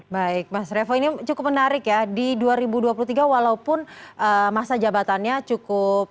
baik mas revo ini cukup menarik ya di dua ribu dua puluh tiga walaupun masa jabatannya cukup